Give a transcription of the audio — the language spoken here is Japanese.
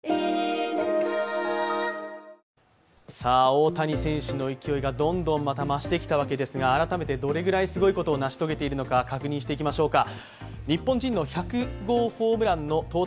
大谷選手の勢いがどんどんまた増してきたわけですが改めてどれぐらいすごいことを成し遂げているのか確認していきましょうか。